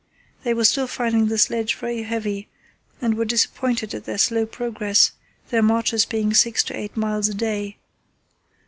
They were still finding the sledge very heavy and were disappointed at their slow progress, their marches being six to eight miles a day.